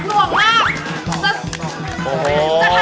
จะถลักมั้ยคะ